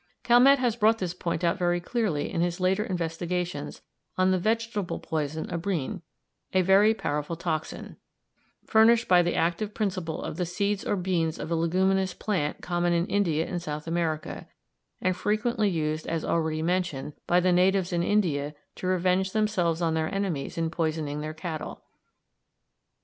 Calmette has brought this point out very clearly in his later investigations on the vegetable poison abrine, a very powerful toxin, furnished by the active principle of the seeds or beans of a leguminous plant common in India and South America, and frequently used, as already mentioned, by the natives in India to revenge themselves on their enemies in poisoning their cattle.